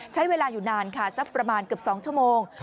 ใช้เวลาอยู่นานค่ะสักประมาณเกือบ๒ชั่วโมง